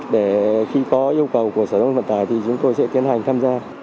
để khi có yêu cầu của sở thông vận tải thì chúng tôi sẽ tiến hành tham gia